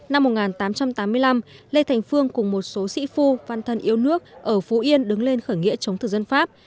năm một nghìn tám trăm tám mươi năm lê thành phương cùng một số sĩ phu văn thân yêu nước ở phú yên đứng lên khởi nghĩa chống thực dân pháp